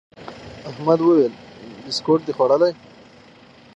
احمد وويل: بيسکیټ دي خوړلي؟